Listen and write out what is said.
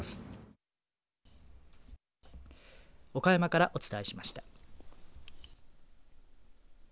岡山からお伝えしました。